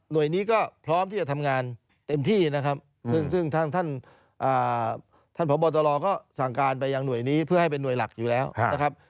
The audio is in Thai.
โดยนี้ก็พร้อมที่จะทำงานเต็มที่นะครับซึ่งท่านพบตรก็สั่งการไปยังหน่วยนี้เพื่อให้เป็นห่วยหลักอยู่แล้วนะครับ